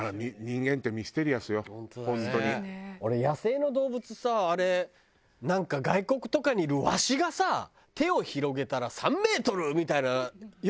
俺野生の動物さあれなんか外国とかにいるワシがさ手を広げたら３メートルみたいなよくあるじゃない。